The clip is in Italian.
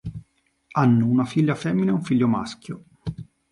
Hanno una figlia femmina e un figlio maschio.